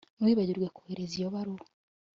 Ntiwibagirwe kohereza iyo baruwa